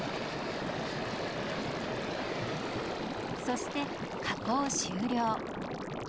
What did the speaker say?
そして加工終了。